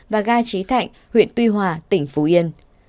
và ga trí thạnh huyện tuy hòa tỉnh phú yên